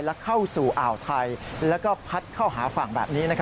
และเข้าสู่อ่าวไทยแล้วก็พัดเข้าหาฝั่งแบบนี้